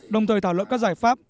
đồng thời thảo lợi các giải pháp